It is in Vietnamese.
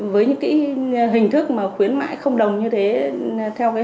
với những hình thức mà khuyến mại không đồng như thế